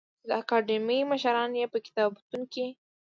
چې د اکاډمۍ مشران یې په کتابتون کې